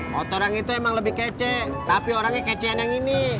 kotoran itu emang lebih kece tapi orangnya kecen yang ini